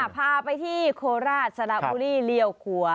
พาไปที่โคลาศสระอุรีเหลี่ยวขัว